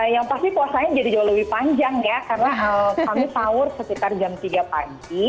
yang pasti puasanya jadi jauh lebih panjang ya karena kami sahur sekitar jam tiga pagi